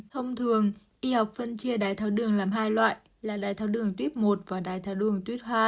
thông thường y học phân chia đai tháo đường làm hai loại là đai tháo đường tuyết một và đai tháo đường tuyết hai